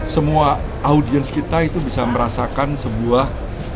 semua audiens kita itu bisa merasakan sebuah